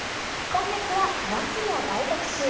今月はなすの大特集。